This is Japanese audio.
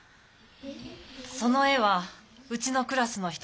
その絵はうちのクラスの人の絵でした。